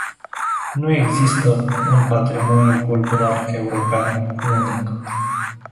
Nu există un "patrimoniu cultural european” unic.